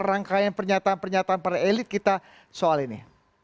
rangkaian pernyataan pernyataan para elit kita soal ini